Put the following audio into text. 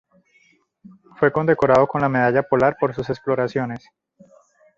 Fue condecorado con la Medalla Polar por sus exploraciones.